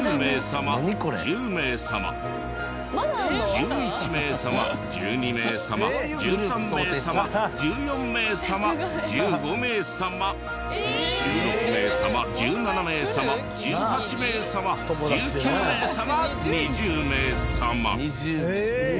１１名様１２名様１３名様１４名様１５名様１６名様１７名様１８名様１９名様２０名様。